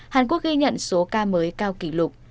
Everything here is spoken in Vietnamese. hàn quốc ghi nhận số ca mới cao kỷ lục